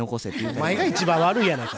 お前が一番悪いやないか。